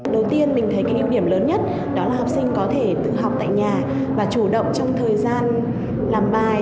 đầu tiên mình thấy cái ưu điểm lớn nhất đó là học sinh có thể tự học tại nhà và chủ động trong thời gian làm bài